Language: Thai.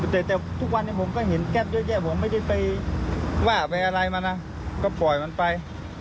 แต่ทุกวันนี้ผมก็เห็นแก๊ปเยอะแยะผมไม่ได้ไปว่าไปอะไรมานะก็ปล่อยมันไป